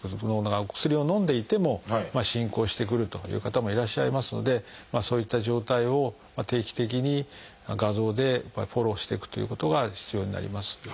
お薬をのんでいても進行してくるという方もいらっしゃいますのでそういった状態を定期的に画像でフォローしていくということが必要になります。